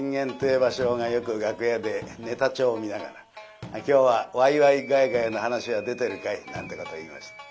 馬生がよく楽屋でネタ帳を見ながら「今日はワイワイガヤガヤの噺は出てるかい？」なんてこと言いました。